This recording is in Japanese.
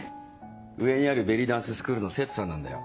上にあるベリーダンススクールの生徒さんなんだよ。